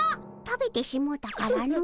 食べてしもうたからの。